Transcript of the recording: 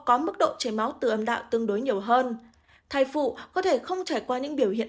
có mức độ chảy máu từ âm đạo tương đối nhiều hơn thai phụ có thể không trải qua những biểu hiện